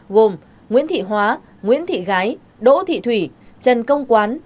gồm nguyễn thị hóa nguyễn thị gái đỗ thị thủy trần công quán